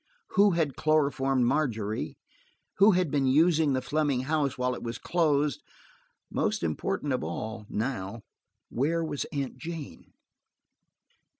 Who had chloroformed Margery? Who had been using the Fleming house while it was closed? Most important of all now–where was Aunt Jane?